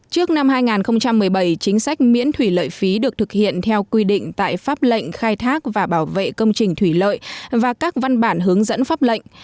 trước năm hai nghìn một mươi bảy chính sách miễn thủy lợi phí được thực hiện theo quy định tại pháp lệnh khai thác và bảo vệ công trình thủy lợi và các văn bản hướng dẫn pháp lệnh